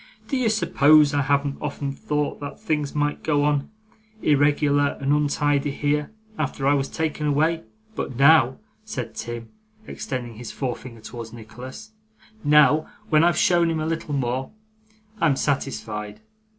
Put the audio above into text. Do you suppose I haven't often thought that things might go on irregular and untidy here, after I was taken away? But now,' said Tim, extending his forefinger towards Nicholas, 'now, when I've shown him a little more, I'm satisfied.